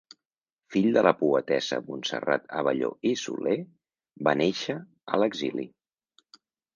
Fill de la poetessa Montserrat Abelló i Soler, va néixer a l'exili.